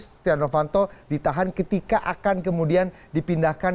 setia novanto ditahan ketika akan kemudian dipindahkan